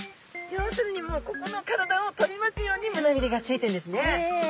要するにもうここの体を取り巻くようにむなびれがついてるんですね。